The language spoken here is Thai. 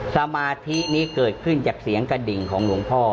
สมาธินี้เกิดขึ้นจากเสียงกระดิ่งของหลวงพ่อ